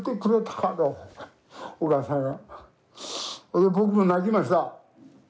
それで僕も泣きました。